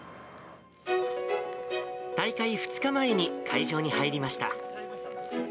大会２日前に会場に入りました。